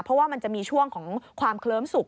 เพราะว่ามันจะมีช่วงของความเคลิ้มสุข